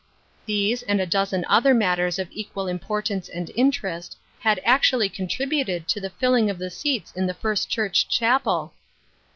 These, and a dozen other matters of equal importance and interest, had actually contributed to the filling of the seats in the First Church chapel